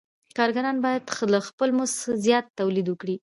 کارګران باید له خپل مزد زیات تولید وکړي